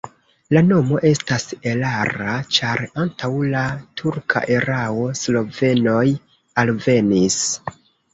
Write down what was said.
La nomo estas erara, ĉar antaŭ la turka erao slovenoj alvenis.